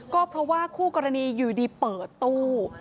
ก็เพราะว่าคู่กรณีอยู่ดีเปิดตู้